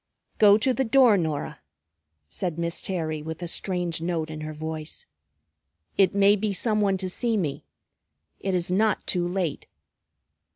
"Go to the door, Norah," said Miss Terry with a strange note in her voice. "It may be some one to see me. It is not too late."